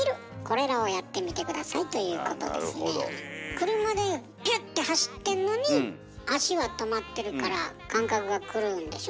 車でピュッて走ってんのに足は止まってるから感覚が狂うんでしょ？